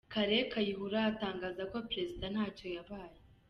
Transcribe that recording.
Kale Kayihura atangaza ko Perezida ntacyo yabaye.